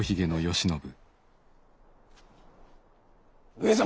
上様！